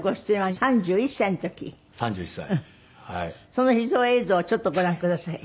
その秘蔵映像をちょっとご覧ください。